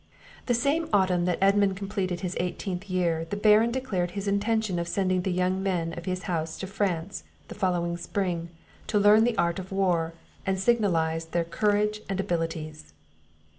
The same autumn that Edmund completed his eighteenth year, the Baron declared his intention of sending the young men of his house to France the following spring, to learn the art of war, and signalize their courage and abilities.